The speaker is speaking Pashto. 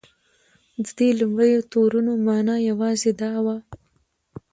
د دې لومړیو تورونو معنی یوازې دا وه.